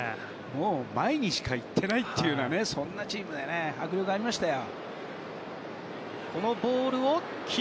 前にしか行っていないというチームで迫力ありましたよ。